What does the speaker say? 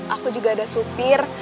aku juga ada supir